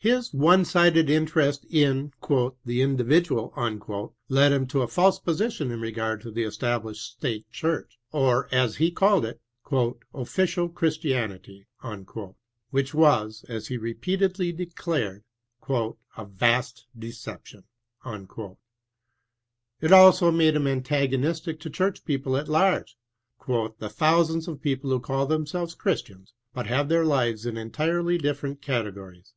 His one sided interest in the individual " led him to a false position in regard to the established state church, or, as he called it, " official Christianity," which was, as he re peatedly declared, a vast deception." It also made him antagonistic to church people at large, " the thousands of people who call themselves Christians, but have their lives in entirely different categories."